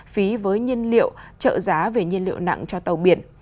phí với nhiên liệu trợ giá về nhiên liệu nặng cho tàu biển